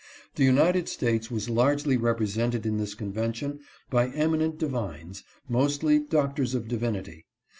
The United States was largely represented in this convention by eminent divines, mostly doctors of divinity.